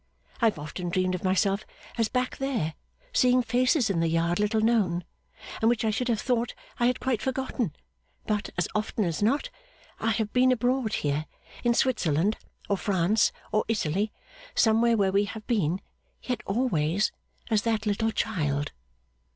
I have often dreamed of myself as back there, seeing faces in the yard little known, and which I should have thought I had quite forgotten; but, as often as not, I have been abroad here in Switzerland, or France, or Italy somewhere where we have been yet always as that little child.